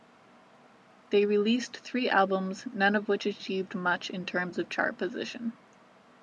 They released three albums, none of which achieved much in terms of chart position.